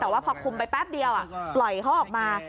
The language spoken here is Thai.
แต่ว่าพอคุมไปแป๊บเดียวปล่อยเขาออกมา